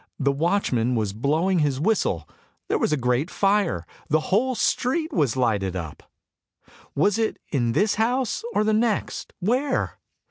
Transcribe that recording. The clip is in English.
The watchman was blowing his whistle ; there was a great fire, the whole street was lighted up. Was it in this house, or the next? Where?